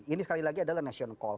ini sekali lagi adalah national call